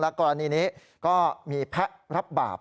แล้วก็อันนี้ก็มีแพะรับบาป